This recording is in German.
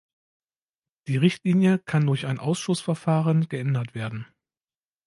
Die Richtlinie kann durch ein Ausschussverfahren geändert werden.